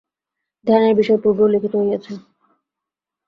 ধ্যানের বিষয় পূর্বেই উল্লিখিত হইয়াছে।